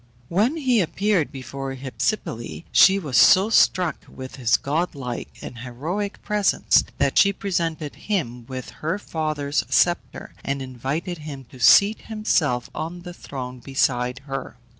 When he appeared before Hypsipyle, she was so struck with his godlike and heroic presence that she presented him with her father's sceptre, and invited him to seat himself on the throne beside her.